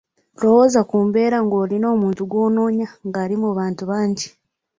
Lowooza ku mbeera ng’olina omuntu gw’onoonya ng’ali mu bantu bangi,